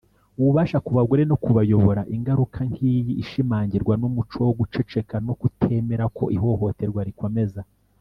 ububasha ku bagore no kubayobora Ingaruka nk iyi ishimangirwa n umuco wo guceceka no kutemera ko ihohoterwa rikomeza